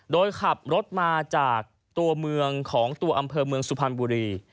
โดยขับรถมาจากตัวเมืองของตัวอำเภอเมืองสุพรรณบุรี